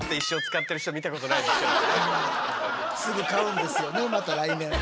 すぐ買うんですよねまた来年。